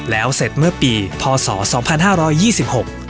แล้วเสร็จเมื่อปีพศสองพันห้าร้อยยี่สิบหก